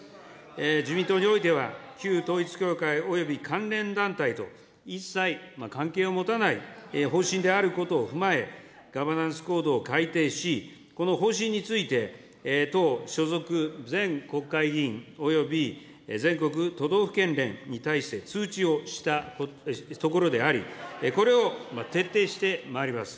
自民党においては、旧統一教会および関連団体と、一切関係を持たない方針であることを踏まえ、ガバナンス・コードを改定し、この方針について、党所属全国会議員および全国都道府県連に対して通知をしたところであり、これを徹底してまいります。